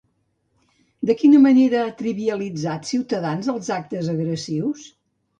De quina manera ha trivialitzat Ciutadans els actes agressius?